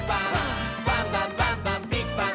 「バンバンバンバンビッグバン！」